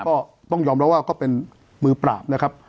ก็ต้องยอมรับว่าก็เป็นมือปราบนะครับ